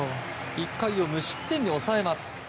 １回を無失点に抑えます。